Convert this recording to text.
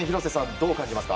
どう感じますか。